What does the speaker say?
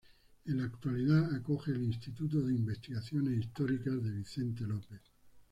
En la actualidad acoge el "Instituto de Investigaciones Históricas de Vicente López".